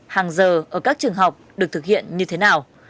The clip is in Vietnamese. hàng giờ ở các trường học được thực hiện như thế nào